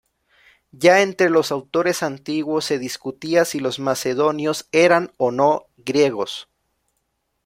Ya entre los autores antiguos se discutía si los macedonios eran o no griegos.